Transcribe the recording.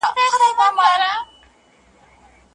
کندهار د افغانستان په سویل کې یو ډېر مهم او تاریخي ولایت دی.